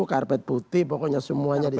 karpet putih pokoknya semuanya